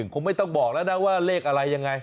คงไม่ต้องบอกแล้วนะว่าเลขอะไรยังไง